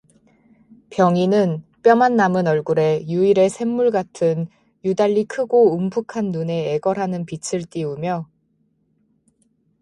병인은 뼈만 남은 얼굴에 유일의 샘물 같은 유달리 크고 움푹한 눈에 애걸하는 빛을 띄우며